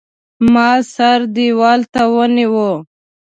ما سره دېوال ته ونیو.